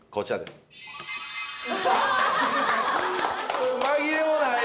これ紛れもない。